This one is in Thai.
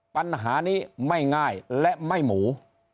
ปัญหานี้ไม่ง่ายและไม่หมู